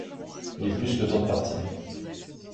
Il est plus que temps de partir.